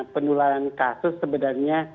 pendularan kasus sebenarnya